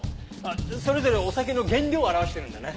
それぞれお酒の原料を表してるんだね。